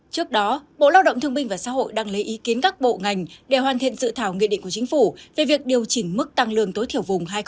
trước đó bộ lao động thương minh và xã hội đang lấy ý kiến các bộ ngành để hoàn thiện dự thảo nghị định của chính phủ về việc điều chỉnh mức tăng lương tối thiểu vùng hai nghìn hai